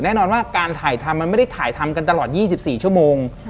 แน่นอนว่าการถ่ายทำมันไม่ได้ถ่ายทำกันตลอด๒๔ชั่วโมง